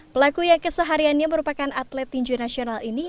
pelaku yang kesehariannya merupakan atletin junasional ini